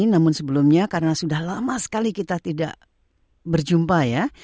namun sebelumnya karena sudah lama sekali kita tidak berjumpa ya